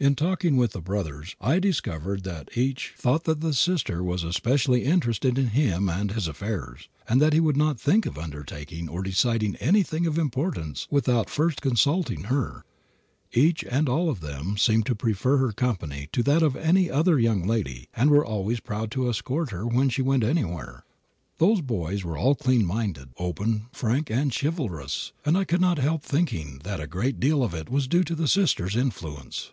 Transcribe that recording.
In talking with the brothers I discovered that each thought that the sister was especially interested in him and his affairs, and that he would not think of undertaking or deciding anything of importance without first consulting her. Each and all of them seemed to prefer her company to that of any other young lady, and were always proud to escort her when she went anywhere. Those boys are all clean minded, open, frank and chivalrous, and I could not help thinking that a great deal of it was due to the sister's influence.